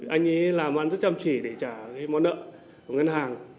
anh ấy làm ăn rất chăm chỉ để trả món nợ của ngân hàng